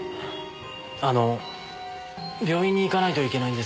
あの病院に行かないといけないんですが。